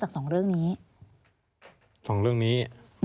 สองเรื่องนี้